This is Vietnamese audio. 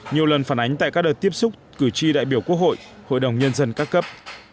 nhiều lần phản ánh tại các đợt tiếp xúc cử tri đại biểu quốc hội hội đồng nhân dân các cấp